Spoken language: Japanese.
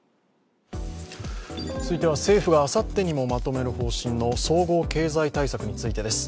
続いては、政府があさってにもまとめる方針の総合経済対策についてです。